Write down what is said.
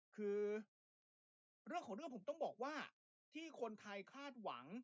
คือเรื่องของเรื่องผมต้องบอกว่าที่คนไทยคาดหวัง